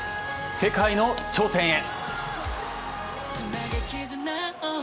世界の頂点へ！